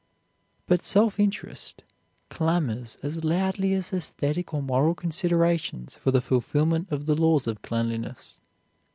But self interest clamors as loudly as esthetic or moral considerations for the fulfilment of the laws of cleanliness.